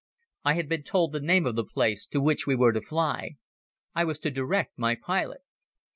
I had been told the name of the place to which we were to fly. I was to direct my pilot.